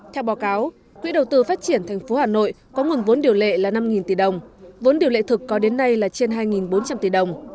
theo báo cáo quỹ đầu tư phát triển thành phố hà nội có nguồn vốn điều lệ là năm tỷ đồng vốn điều lệ thực có đến nay là trên hai bốn trăm linh tỷ đồng